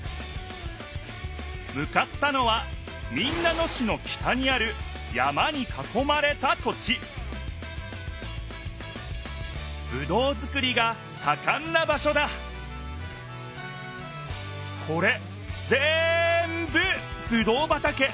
向かったのは民奈野市の北にある山にかこまれた土地ぶどうづくりがさかんな場所だこれぜんぶぶどう畑。